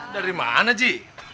dari mana ci